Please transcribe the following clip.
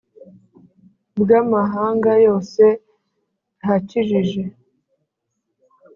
Bw Amahanga Yose Ahakikije